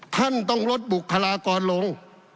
ท่านต้องลดบุคลากรลง